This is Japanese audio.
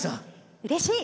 うれしい！